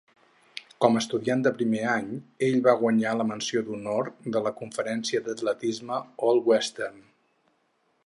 Com a estudiant de primer any, ell va guanyar la menció d'honor de la Conferència d'Atletisme All-Western.